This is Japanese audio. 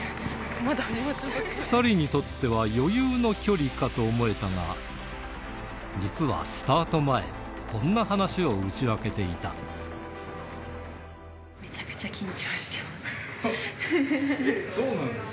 ２人にとっては余裕の距離かと思えたが、実はスタート前、めちゃくちゃ緊張してます。